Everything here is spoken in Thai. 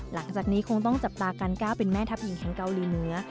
หลังจากนี้คงต้องจับตาการก้าวเป็นแม่ทัพหญิงแห่งเกาหลีเหนือ